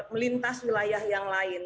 melintas wilayah yang lain